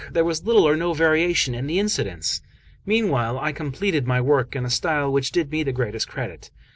There was little or no variation in the incidents. Meanwhile, I completed my work in a style which did me the greatest credit.